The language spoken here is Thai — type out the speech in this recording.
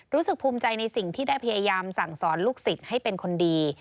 รู้สึกภูมิใจในสิ่งที่ได้พยายามสั่งสอนลูกศิษย์ให้เป็นคนดี